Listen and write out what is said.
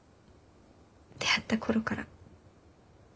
出会った頃から。